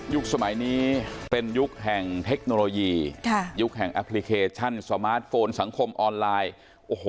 สมัยนี้เป็นยุคแห่งเทคโนโลยีค่ะยุคแห่งแอปพลิเคชันสมาร์ทโฟนสังคมออนไลน์โอ้โห